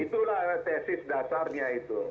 itulah tesis dasarnya itu